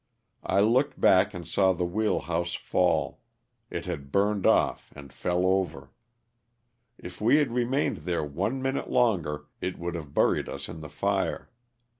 I looked back and saw the wheel house fall — it had burned off and fell over. If we had remained there one minute longer it would have buried us in the fire.